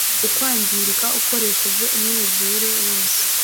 ukwangirika ikoresheje umwuzure wose